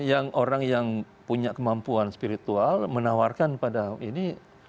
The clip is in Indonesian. yang orang yang punya kemampuan spiritual menawarkan pada ini